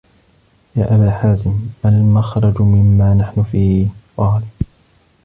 يَا أَبَا حَازِمٍ مَا الْمَخْرَجُ مِمَّا نَحْنُ فِيهِ ؟ قَالَ